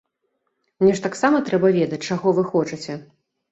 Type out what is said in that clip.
Мне ж таксама трэба ведаць, чаго вы хочаце.